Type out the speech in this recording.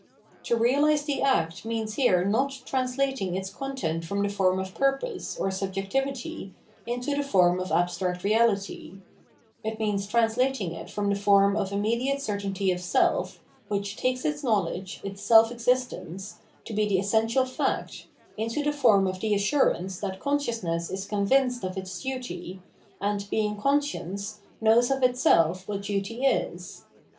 To reahse the act means here not translating its content from the form of purpose, or subjectivity, into the form of abstract reality : it means translating it from the form of immediate certainty of self, which takes its knowledge, its self existence, to be the essential fact, mto the form of the assurance that consciousness is convinced of its duty, and, being conscience, knows of itself what duty is.